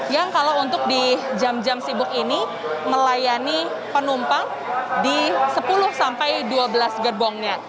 yang kalau untuk di jam jam sibuk ini melayani penumpang di sepuluh sampai dua belas gerbongnya